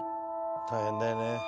大変だよね。